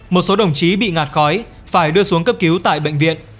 một số đồng chí bị ngạt khói phải đưa xuống cấp cứu tại bệnh viện